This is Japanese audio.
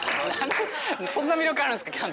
そんな魅力あるんすか？